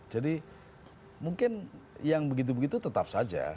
jadi mungkin yang begitu begitu tetap saja